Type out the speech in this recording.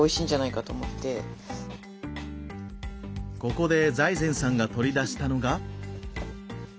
ここで財前さんが取り出したのが。